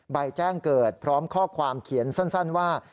ใบแจ้งเกิดพร้อมข้อความเขียนสั้นว่า